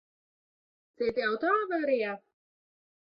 Cieti auto avārijā?